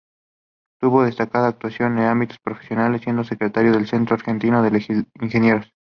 Tuvo destacada actuación en ámbitos profesionales siendo secretario del Centro Argentino de Ingenieros.